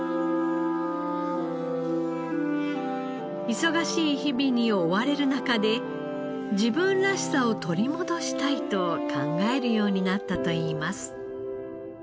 忙しい日々に追われる中で「自分らしさを取り戻したい」と考えるようになったといいます。